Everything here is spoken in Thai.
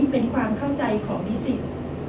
เป็นความเข้าใจของนิสิต